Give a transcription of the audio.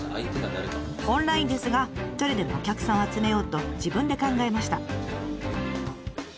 オンラインですが一人でもお客さんを集めようと自分で考えました。